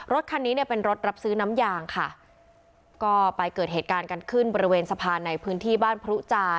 รถคันนี้เนี่ยเป็นรถรับซื้อน้ำยางค่ะก็ไปเกิดเหตุการณ์กันขึ้นบริเวณสะพานในพื้นที่บ้านพรุจา